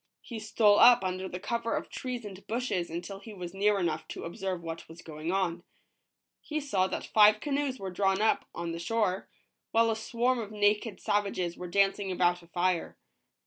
He stole up under the cover of trees and bushes until he was near enough to observe wh.it was going on. He saw that five canoes were drawn up on the shore, while a swarm of naked savages were dancing about a fire.